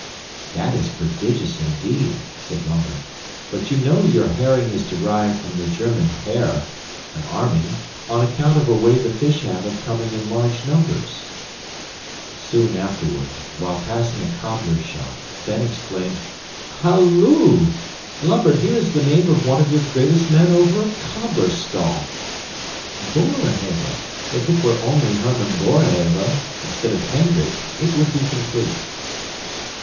"That is prodigious, indeed," said Lambert, "but you know your herring is derived from the German heer, an army, on account of a way the fish have of coming in large numbers." Soon afterward, while passing a cobbler's shop, Ben exclaimed, "Halloo! Lambert, here is the name of one of your greatest men over a cobbler's stall! Boerhaave. If it were only Herman Boerhaave instead of Hendrick, it would be complete."